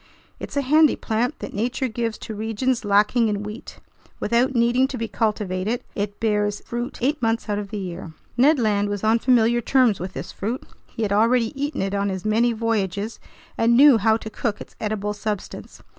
It's a handy plant that nature gives to regions lacking in wheat; without needing to be cultivated, it bears fruit eight months out of the year. Ned Land was on familiar terms with this fruit. He had already eaten it on his many voyages and knew how to cook its edible substance.